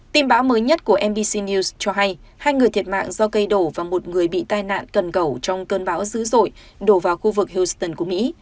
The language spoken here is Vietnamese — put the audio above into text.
tin báo mới nhất của nbc news cho hay hai người thiệt mạng do cây đổ và một người bị tai nạn cần cẩu trong cơn báo dữ dội đổ vào khu vực houston của mỹ